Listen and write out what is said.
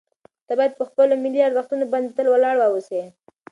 ته باید په خپلو ملي ارزښتونو باندې تل ولاړ واوسې.